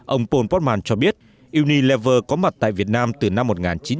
ông paul portman cho biết unilever có mặt tại việt nam từ năm một nghìn chín trăm chín mươi năm